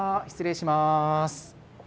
失礼します。